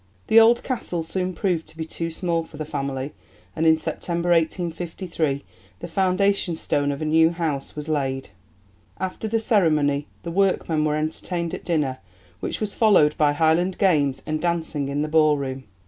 The old castle soon proved to be too small for the family, and in September 1853 the foundation stone of a new house was laid. After the ceremony the workmen were entertained at dinner, which was followed by Highland games and dancing in the ballroom.